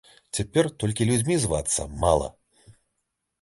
Цяпер толькі людзьмі звацца мала.